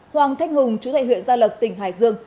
hoàng thách hùng chủ đại huyện gia lập tỉnh hải dương